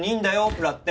フラって。